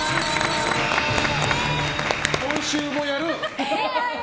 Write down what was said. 今週もやる？